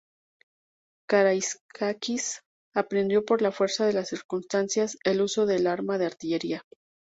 Karaiskakis aprendió por la fuerza de las circunstancias el uso del arma de artillería.